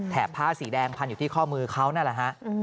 ผ้าสีแดงพันอยู่ที่ข้อมือเขานั่นแหละฮะ